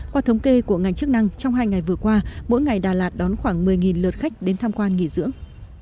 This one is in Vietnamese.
qua thống kê của ngành chức năng trong hai ngày vừa qua mỗi ngày đà lạt đón khoảng một mươi lượt khách đến tham quan nghỉ dưỡng